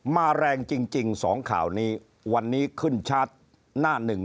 แรงจริงสองข่าวนี้วันนี้ขึ้นชาร์จหน้าหนึ่ง